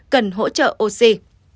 cần hỗ trợ oxy